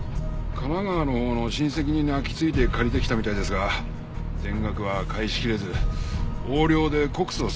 神奈川のほうの親戚に泣きついて借りてきたみたいですが全額は返しきれず横領で告訴寸前だったようです。